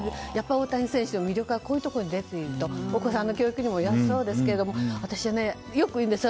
大谷選手の魅力はこういうところに出ているとお子さんの教育にもそうですけど私、よく言うんです。